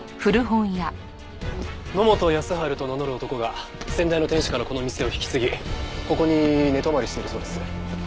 野本康治と名乗る男が先代の店主からこの店を引き継ぎここに寝泊まりしているそうです。